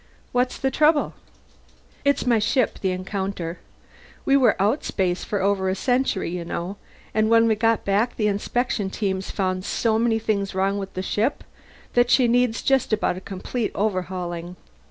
"What's the trouble?" "It's my ship the Encounter. We were outspace over a century, you know, and when we got back the inspection teams found so many things wrong with the ship that she needs just about a complete overhauling.